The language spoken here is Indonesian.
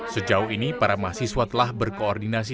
sejauh ini para mahasiswa telah berkoordinasi